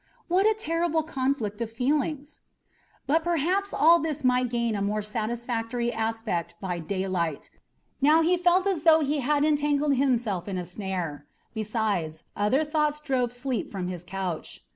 What a terrible conflict of feelings! But perhaps all this might gain a more satisfactory aspect by daylight. Now he felt as though he had entangled himself in a snare. Besides, other thoughts drove sleep from his couch.